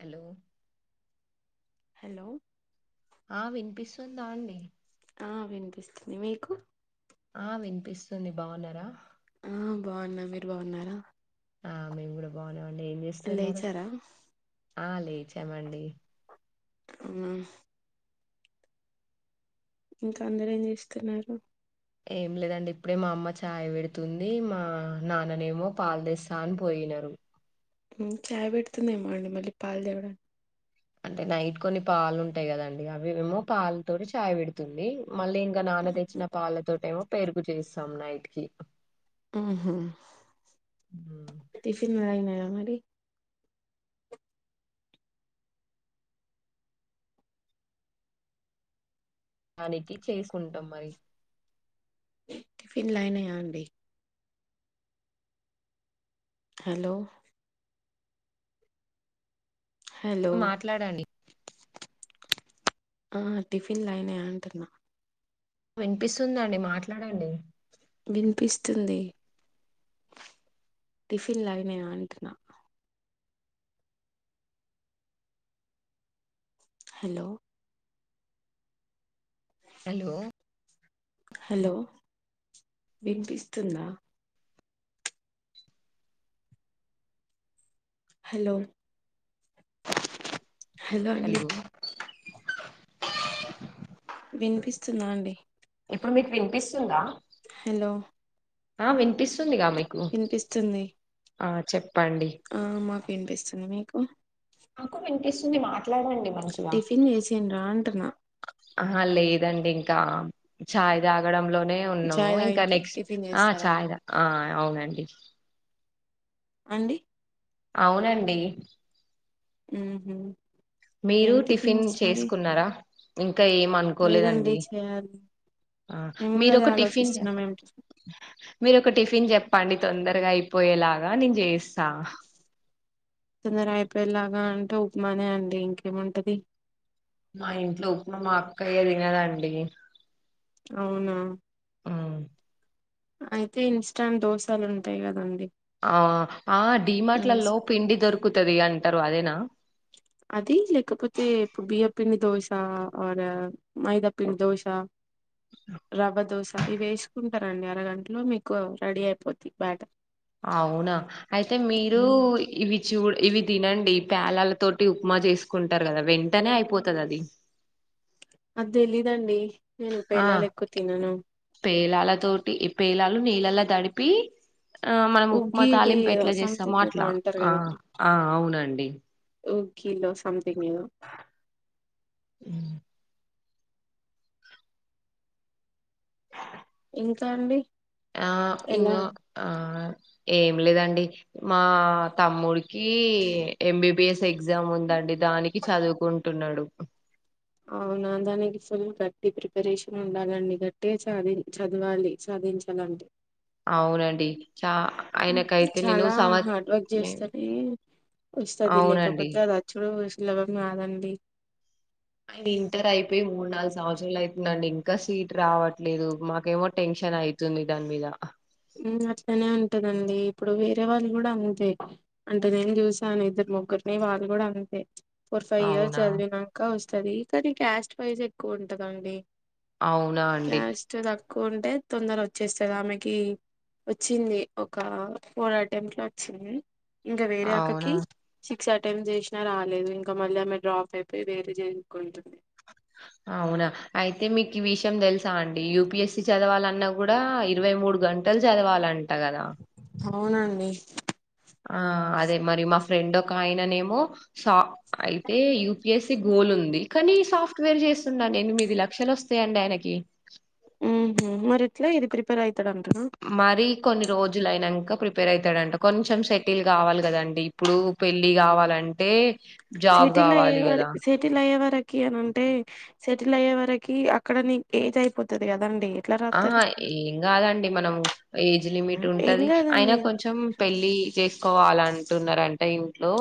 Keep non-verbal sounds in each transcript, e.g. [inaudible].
Hello hello ఆ వినిపిస్తుందా అండి ఆ వినిపిస్తుంది. మీకు ఆ వినిపిస్తుంది. బాగున్నారా? ఆ బాగున్న మీరు బాగున్నారా ఆ మేము గూడా బాగున్నామండి ఏం చేస్తున్నారు లేచారా ఆ లేచామండి. అమ్మా ఇంకా అందరు ఏం జేస్తున్నారు ఏం లేదండి ఇప్పుడే మా అమ్మ చాయ్ పెడుతుంది. మా నాన్ననేమో పాలుదేస్తా అని పోయి వెళ్ళారు ఉమ్ చాయ్ పెడుతుందమో అండి మళ్ళీ పాలు దేవడానికి అంటే నైట్ కొన్ని పాలు ఉంటాయి కదండి అవి ఏమో పాలు తోటి చాయ్ పెడుతుంది. మళ్ళీ ఇంకా నాన్న తెచ్చిన పాలతోట ఏమో పెరుగు చేస్తాం నైట్ కి ఉమ్ హూ ఉమ్, టిఫిన్ లైనయా మరి దానికి చేసుకుంటాం మరి టిఫిన్లు అయినయ అండి హలో హలో మాట్లాడండి ఆ టిఫిన్లు అయినాయ అంటున్నా వినిపిస్తుందండి మాట్లాడండి వినిపిస్తుంది టిఫిన్లు అయినయ అంటున హలో హలో హలో వినిపిస్తుందా హలో హలో అండి వినిపిస్తుంద అండి ఇప్పుడు మీకు వినిపిస్తుందా హలో ఆ వినిపిస్తుందిగా మీకు వినిపిస్తుంది ఆ చెప్ ఆ మాకు వినిపిస్తుంది మీకు నాకు వినిపిస్తుంది మాట్లాడండి మంచిగ టిఫిన్ చేసిండ్రా అంటున్నా ఆహా లేదండి ఇంకా ఛాయ్ తాగడంలో నే ఉన్నాము చాయ్ తాగిన ఇంకా తర్వాత నెక్స్ట్ టిఫిన్ ఆ చేస్తారా [unintelligible] ఆ అవునండి అండి అవునండి ఉహు మీరు ఏం టిఫిన్ టిఫిన్స్ మరి చేసుకున్నారా ఇంకా ఎం లేదండి అనుకోలేదండి చేయాలి ఆ మేము కూడా మీరు అదే ఒక టిఫిన్ చే ఆలోచిస్తున్నాం ఏం టిఫిన్ మీరు ఒక టిఫిన్ చెప్పండి తొందరగా అయిపోయేలాగా నేను చేస్ తొందరయిపోయలాగా అంట ఉ మానే అండి ఇంకేముంటది మా ఇంట్లో ఉప్మా మా అక్కయ్య తినదాండి అవునా అయితే ఇన్స్టాంట్ దోశలు ఉంటాయి కదండి ఆ ఆ అవి ఏస్ డీమార్ట్లలో పిండి దొరుకుతది అంటారు అదేనా అద లేకపోతే ఇప్పు బియపిండి దోశ ఆ మైదాపిండి దోశ ర్వ దోశ ఇవి వేసుకుంటారండి అరగంటలో మీకు రెడీ అయిపోతు బ్యాటర్ అవునా అయితే మీరు ఉమ్, ఇవి చూ ఇవి తినండి పేలాల తోటి ఉప్మా చేసుకుంటారు కదా వెంటనే అయిపోతది అది అది తెలీదండి నేను పేలాలు ఎక్కువ తినను లాల తోటి ఇ పేలాలు నీళ్ళలా తడిపి ఆ మనం ఉప్మా ఉగ్గిడి తాలీం ఏదో పేట్ల చేస్తమో సంథింగ్ ఏదో అట్లా అంటారు ఆ ఆ అవునండి ఓ [unintelligible] సంథంగ్ ఏదో ఉమ్. ఇంకా అండి ఆ ఎలా ఇన్నో ఆ ఏం లేదండి మా తమ్ముడికి ఎంబీబిఎస్ ఎ ఎగ్జామ్ ఉందండి దానికి చదువుకుంటున్నాడు అవునా దానికి ఫుల్ గట్టి ప్రిపరేషన్ ఉండాలండి గట్టి చది చదవాలి చ అందిచాలండి అవునండి చ ఆయనకైతే నేను చాలా హార్డ్ వర్క్ చేస్తేనే [unintelligible] వస్తది అవునండి లేకపోతే అది [unintelligible] ఆయన ఇంటర్ అయిపోయి మూడు నాలుగు సంవత్సరాలు అయితుందండి ఇంకా సీట్ రావట్లేదు మాకేమో టెన్ చనయితుంది దాని మీద అట్లనే ఉంటదండి ఇప్పుడు వేరే వాళ్ళు కూడా అతే అంటే నేను చూసాను ఇద్దరు ముగ్గురిని వాళ్ళు కూడా అంతే ఫోర్ ఫైవ్ ఇయర్స్ అవునా చదివినక వస్తది కానీ క్యాస్ట్ ప్రైస్ గా ఎక్కువ ఉంటదండి అవునా అండి క్కుంటే తొందర వచ్చేస్తుంది ఆమెకి వచ్చింది ఒక ఫోర్ అటెంప్ట్ లో వచ్చింది ఇంకా వేరే అవునా అక్కకి సిక్స్ అటెంప్ట్ చేసినా రాలేదు ఇంకా మళ్ళీ ఆమె డ్రాప్ అయిపోయి వేరే చేసుకుంటుంది అవునా అయితే మీకు ఈ విషయం తెలుసా అండి యూపిఎస్సి చదవాలన్న కూడా ఇరవై మూడు గంట లు చదవాలంట కదా అవునండి ఆ అదే మరి మా ఫ్రెండ్ ఒక ఆయననేమో సా అయితే యూపిఎస్సి గోల్ ది కానీ సాఫ్ట్వేర్ చేస్తునాడు ఎనిమిది లక్షలు వస్తాయండి ఆయనకి ఉ మరి ఎట్లా ఇది ప్రిపేర్ అవుతాడంటనా మరీ కొన్ని రోజులు అయినాక ప్రిపేర్ అయితాడాట కొంచెం సెటిల్ కావాలి కదండి ఇప్పుడు పెళ్లి కావాలంటే అంటే సెటిల్ అయ్యేవరకి సెటిల్ అయ్యేవరకి అని అంటే సెటిల్ అయ్యే వరకి అక్కడ న ఏజ్ అయిపోతది కదండి ఎట్లా రాత్తరు ఆహా ఏం కాదండి మనం ఏజ్ లిమిట్ ఏం ఉంటది అయినా కాదండి కొంచెం పెళ్ళి చేసుకోవాల అంటున్నారంట ఇంట్లో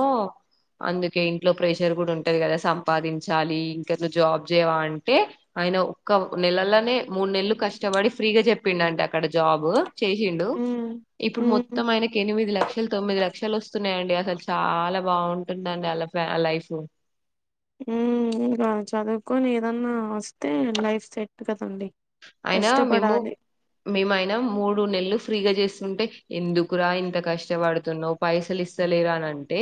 అందుకే ఇంట్లో ప్రెషర్ కూడా ఉంటది కదా సంపాదించాలి ఇంకా నువ్వు జాబ్ చేయవా అంటే ఆయన ఒక్క నెలలనే మూడు నెలు కష్టపడి ఫ్రీగా చెప్పిండు అంట అక్కడ జాబ్ చేసిండు ఉమ్ ఇప్పుడు ఉమ్ మొత్తం ఆయనకి ఎనిమిది లక్షలు తొమ్మిది లక్షలు వస్తున్నాయండి అసలు చాలా బాగుంటుందండి అల ఆ లైఫ్ ఉ ఇంకా చదువుకొని ఏదన్నా వస్తే లైఫ్ సెట్ కదండి అయినా మేము కష్టపడాలి మేముయినా మూడు నెల్లు ఫ్రీగా చేస్తుంటే ఎందుకురా ఇంత కష్టపడుతున్నావు పైసలు ఇస్తలేరూ అని అంటే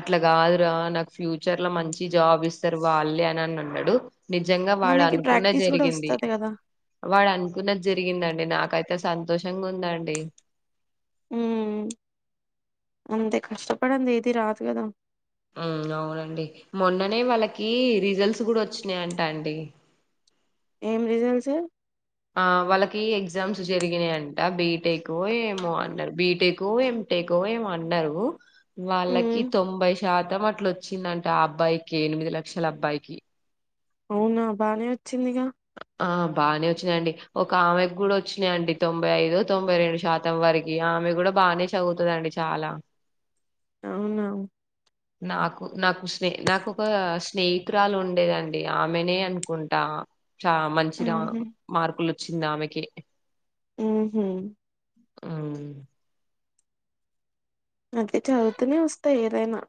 అట్లా కాదు రా నాకు ఫ్యూచర్ లో మంచి జాబ్ ఇస్తారు వాళ్ళే అని అని అన్నాడు నిజంగా వాడు మనకి అనుకునేదే ప్రాక్టీస్ కూడా జరిగింది వస్తది కదా వాడు అనుకున్నది జరిగిందండి నాకైతే సంతోషంగా ఉందండి ఉ అంతే కష్టపదండి ఏది రాదు కదా ఆ అవునండి మొన్ననే వాళ్ళకి రిజల్ట్స్ కూడా వచ్చినాయి అంట అండి ఏం రిజల్ట్స్ ఆ వాళ్ళకి ఎగ్జామ్స్ జరిగినాయంట బీటెక్ ఏమో అన్నారు బీటెక్ ఏం టేకో అన్నారు వాళ్ళకి ఉమ్ తొంభై శాతం అట్ల వచ్చిందంటే ఆ అబ్బాయికి ఎనిమిది లక్షల అబ్బాయికి అవునా బానే వచ్చిందిగా ఆ బాగానే వచ్చినాయిండి ఒక ఆమెకు కూడా వచ్చినాయిండి తొంభై ఐదు తొంభై రెండు శాతం వరకి ఆ అమె కూడా బాగానే చదువుతడండి చాలా అవునావు నాకు నాకు స్నేహ ఒక స్నేహితురాలు ఉండేదండి ఆమెనే అనుకుంటా చా మంచి రా ఉహు మార్కులు వచ్చింది ఆమెకి ఉహు ఆవునా అంటే చదువుతూనే వస్తాయి ఏదైనా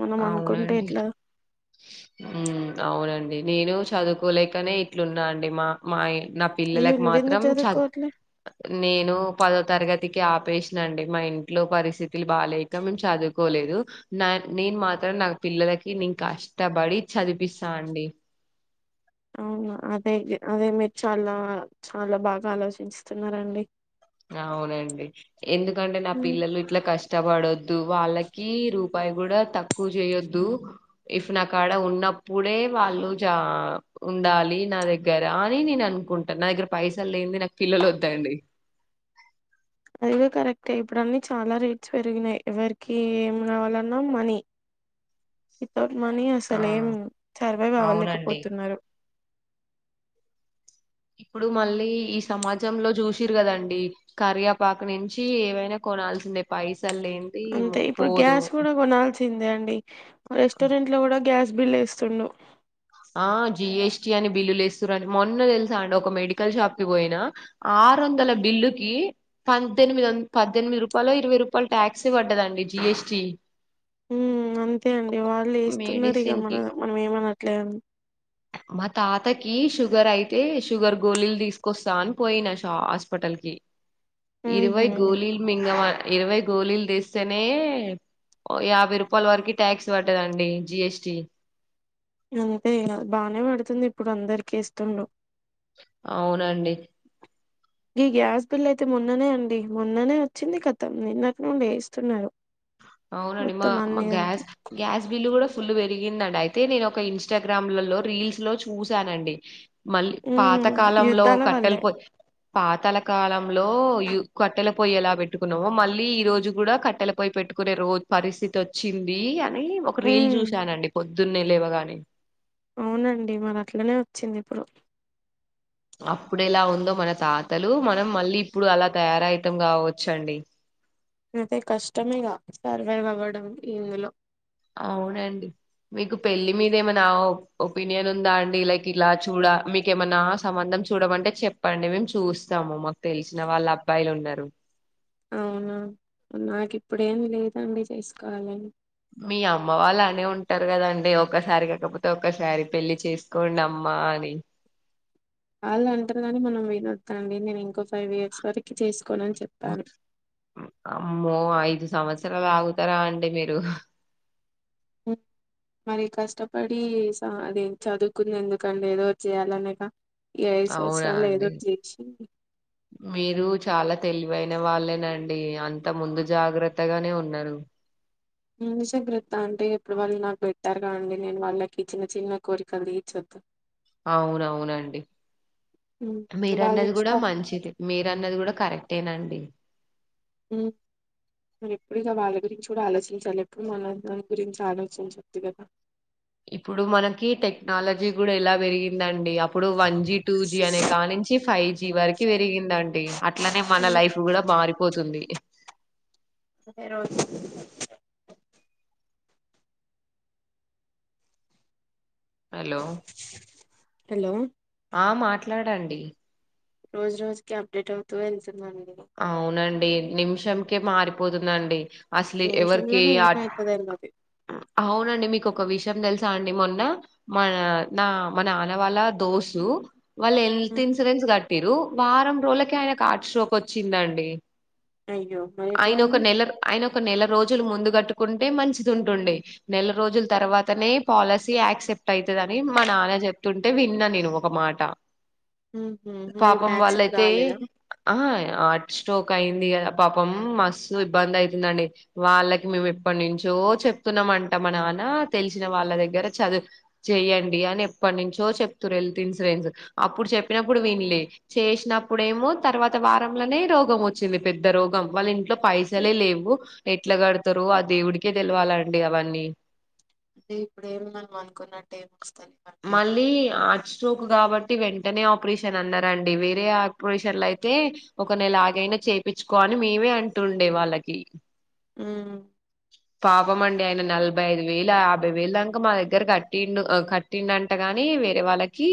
మనం అనుకుంటే అవునండి ఎట్లా అవునండి నేను చదువుకోలేకనే ఇట్లున్నా అండి మా మా నా అయ్యో పిల్లలకు నువ్వెందుకు మాత్రం చదువు చదువుకోవట్లే నేను పదో తరగతి కి ఆపేసినండి మా ఇంట్లో పరిస్థితులు బాలేక మేము చదువుకోలేదు నేను మాత్రం నా పిల్లలకి నేను కష్టపడి చదిపిస్తానండి. అవునా అదే అదే మీరు చాలా చాలా బాగా ఆలోచిుస్తున్నారండి అవునండి ఎందుకంటే నా ఉమ్, పిల్లలు ఇట్లా కష్ట ఇష్టపడద్దు వాళ్ళకి రూపాయి కూడా తక్కువ చేయొద్దు ఇఫ్ నా కాడ ఉన్న అప్పుడే వాళ్ళు చ ఉండాలి నా దగ్గర అని నేను అనుకుంటాను నా దగ్గర పైసలు లేంది నాకు పిల్లలు ఒదండి అదిగా కరెక్టే ఇప్పుడు అన్న చాలా రేట్స్ పెరిగినాయి ఎవరికి ఏం కావాలన్నా మనీ వితౌట్ మనీ ఆ అసలేం సర్వైవ్ అండి అవ్వలేకపోతున్నారు ఇప్పుడు మళ్ళీ ఈ సమాజంలో చూసిరు కదండి కరియాపాక నుంచి ఏవైనా కొన కాల్సిందే పైసలు ఏంటి అంతే ఇప్పుడు పోదు గ్యాస్ కూడా కొనాల్సిందే అండి రెస్టారెంట్ లో కూడా గ్యాస్ బిల్ వేస్తుండు ఆ జిఎస్టి అని బిల్లులుస్తుారని మొన్న తెలుసా అండి ఒక మెడికల్ షాప్ కి పోయినా ఆరు వందల బిల్లుకి పనిమిది పద్దెనిమిది రూపాయలు ఇరవై రూపాయలు టాక్స్ పడ్డదండి జి జి స్ టీ ఉమ్ అంతే అండి వాళ్ళు ఏస్తున్నారు ఇక మెడిసిన్ మన కి మనం ఏమనట్లే మా తాతకి షుగర్ అయితే షుగర్ గోళీలు తీసుకొస్తా అని పోయినా శా హాస్పిటల్ ఉహు ఇరువై గోలిల్ మింగమా ఇరవై గోళలు తేస్తేనే యాభై రూపాయల వరకు ట్యాక్స్ పడ్డదండి జిఎస్టి అంతే ఇగ బానే పడుతుంది ఇప్పుడు అందరికిీ ఇఏస్తుండు అవునండి ఈ గ్యాస్ బిల్ అయితే మొన్ననే అండి మొన్ననే వచ్చింది కతం నిన్నక్క నుండి ఏ ఇస్తున్నారు అవునండి మా మ గ్యాస్ గ్యాస్ బిల్ కూడా ఫుల్ పెరిగిందండి అయితే నేను ఒక ఇన్స్టాగ్రామ్లలో రీల్స్ లో చూసానండి మళ్ళీ ఉమ్ పాత కాలంలో యుద్ధాల కట్టెల వల్లే పోయి పాతాల కాలంలో కట్టెల పొయ్యి ఎలా పెట్టుకున్నామో మళ్ళీ ఈ రోజు కూడా కట్టెల పొయ పెట్టుకు కునే రోజు పరిస్థితి వచ్చింది అని ఒక రీల్ ఉమ్ చూసానండి పొద్దున్నే లేవగాని అవునండి మరి అట్లనే వచ్చింది ఇప్పుడు అప్పుడ ఎలా ఉందో మన తాతలు మనం మళ్ళీ ఇప్పుడు అలా తయారవుతాం కావచ్చ అండి [unintelligible] అయితే కష్టం ఇగ సర్వైవ్ అవ్వడం ఇందులో అవునండి మీకు పెళ్ళి మీద ఏమైనా ఒపీనియన్ ఉందా అండి లైక్ ఇలా చూడ మీకేమైనా సంబంధం చూడమంటే చెప్పండి మేము చూస్తాము మాకు తెలిసిన వాళ్ళ అబ్బాయిలు ఉన్నారు అవునా నాకు ఇప్పుడేమి లేదండి చేసుకోవాలని మీ అమ్మ వాళ్ళు అనే ఉంటారు కదండి ఒసారి కాకపోతే ఒసారి పెళ్లి చేసుకోండఅమ్మ పాణి వాళ్ళు అంటారు కాగాని మనం వినొద్దాండి నేను ఇంకో ఫైవ్ ఇయర్స్ వరకు చేసుకు అమ్మో ఐదు సంవత్సరాలు ఆగుతారా అండి మీరు ఓ [unintelligible] మరి కష్టపడి అది చదువుకుంది ఎందుకండి ఏదో చేయాలనేక అవునా అండి మీరు చాలా తెలివైన వాళ్ళేనండి అంత ముందు జాగ్రత్తగానే ఉన్నారు. ని జాగ్రత్త అంటే ఎప్పుడు వాళ్ళు నాకు పెట్టారు కాదండి నేను వాళ్ళకి చిన్న చిన్న కోరికలు తీర్చొద్దా అవునవునండి ఉమ్, వాళ్ళు మీరన్నది చేసి కూడా పం- మంచిది మీరన్నది కూడా కరక్టేనండి ఉమ్ మరి ఎప్పుడు ఇక వాళ్ళ గురించి కూడా ఆలోచించాలి ఎప్పుడు మన దాని గురించి ఆలోచించొద్దు గదా ఇప్పుడు మనకి టెక్నాలజీ కూడా ఎలా పెరిగిందండి అప్పుడు వన్ జి టూ జి అనే కా నుంచి ఫైవ్ జి వరకి వెలిందండి అట్లనే మన ఉమ్, లైఫ్ కూడా మారిపోతుంది ఏ రోజ్ హలో హలో ఆ మాట్లాడండి రోజు రోజుకి అప్డేట్ అవుతు వెళ్తున్నాను అవునండి నిమిషం కే మారిపోతుందండి అసలు ఎవరికి నిమిషంలోనే అట్ ఏమవుతుందండి అది అవునండి మీకు ఒక విషయం తెలుస్ తాండి మొన్న మన నా మా నాన్నవాళ్ళ దోసు వాళ్ళు హెల్త్ ఉమ్, ఇన్సూరెన్స్ కట్టిరు వారం రోజులకే ఆయన కు హార్ట్ స్ట్రోక్ వచ్చిందండి అయ్యో మరి ఎట్లా ఆయన ఒక అండి నెలర్ ఆయన ఒక నెల రోజులు ముందుకు కట్టుకుంటే మంచిది ఉంటుండే నెల రోజుల తర్వాతనే పాలసీ యాక్సెప్ట్ ఐతదని మన నాన చెప్తుంటే విన్నా నేను ఒక మాట ఉహు, మరి ఇప్పుడు పాపం యాక్సెప్ట్ వాళ్ళయితే కాలేదా ఆహ స్టోక్ అయింది కదా పాపం మస్తు ఇబ్బంది ఐతుందండి వాళ్ళకి మే ఎప్పటి నుంచో చెప్తున్నమంట మా నాన్న తెలిసిన వాళ్ళ దగ్గర చదువు చెయండి అని ఎప్పటినుంచో చెప్ తు రెల్త్ ఇన్సూరెన్స్ అప్పుడు చెప్పినప్పుడు వినలే చేసినప్పుడేమో తర్వాత వా రం ల నే రోగం వచ్చింది పెద్ద రోగం వాళ్ళ ఇంట్లో పైసలే అయ్యో లేవు ఎ ఎట్లా కడతరు అ దేవుడికే తెలివాలండి అవన్నీ అదే ఇప్పుడ ఏమి మనం అనుకున్నట్టేమో మళ్ళీ హార్ట్ స్ట్రోక్ కాబట్టి వెన్ వెంటనే ఆపరేషన్ అన్నారండి వేరే ఆపరేషన్ లయితే ఒక నెల ఆగైనా చేపిచుకో అని మేమే మే అంటుండే వాళ్ళకి ఊ ఇవ్వమండి ఆయన నలబై ఐదు వేల ఆయాభై వేల దాక మా దగ్గర కట్టిండు అ క టిండంట గాని వేరే వాళ్ళకి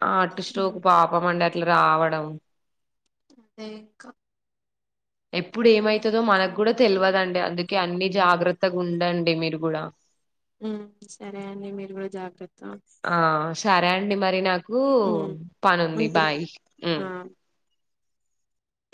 హార్ట్ స్ట్రోక్ పాపం అండి అట్లా రావడం అంతే ఇంకా ఎప్పుడు ఏమైతదో మనకు కూడా తెల్వదండి అందుకే అన్ని జాగ్రత్తగా ఉండండి మీరు కూడా ఊ సరే అండి మీర్ కూడా జాగ్రత్త ఆ సరే అండి మరి నాకు ఉమ్, పనుంది ఉంటున్నా బాయ్ ఉ ఆ